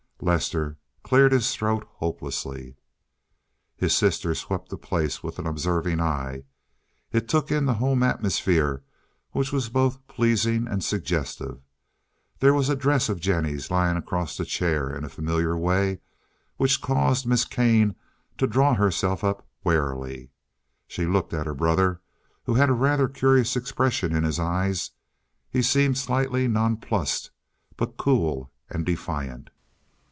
Lester cleared his throat hopelessly. His sister swept the place with an observing eye. It took in the home atmosphere, which was both pleasing and suggestive. There was a dress of Jennie's lying across a chair, in a familiar way, which caused Miss Kane to draw herself up warily. She looked at her brother, who had a rather curious expression in his eyes—he seemed slightly nonplussed, but cool and defiant.